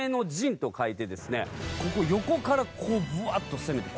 ここ横からこうブワーッと攻めて。